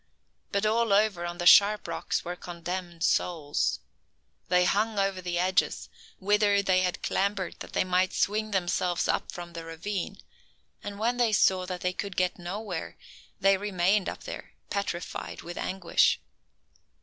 But all over, on the sharp rocks, were condemned souls. They hung over the edges, whither they had clambered that they might swing themselves up from the ravine; and when they saw that they could get nowhere, they remained up there, petrified with anguish.